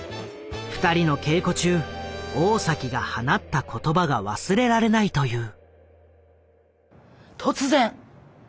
二人の稽古中大が放った言葉が忘れられないという。